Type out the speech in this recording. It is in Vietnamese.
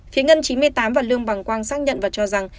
phía ngân chín mươi tám và lương bằng quang xác nhận và cho rằng